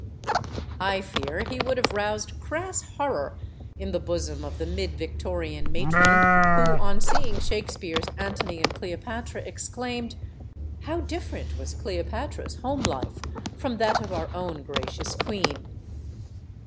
I fear he would have roused crass horror in the bosom of the mid Victorian matron who, on seeing Shakespeare's "Antony and Cleopatra," exclaimed: "How different was Cleopatra's home life from that of our own gracious queen!"